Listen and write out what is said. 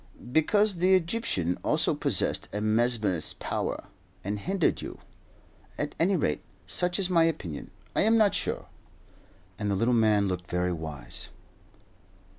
"Because the Egyptian also possessed a mesmerist's power, and hindered you. At any rate, such is my opinion. I am not sure;" and the little man looked very wise.